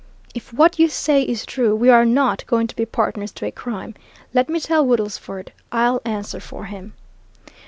If what you say is true, we are not going to be partners to a crime. Let me tell Woodlesford I'll answer for him."